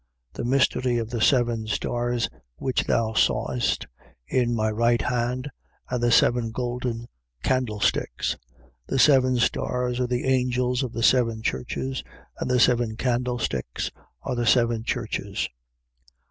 1:20. The mystery of the seven stars, which thou sawest in my right hand and the seven golden candlesticks. The seven stars are the angels of the seven churches. And the seven candlesticks are the seven churches.